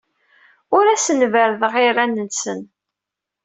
Ur asen-berrdeɣ iran-nsen.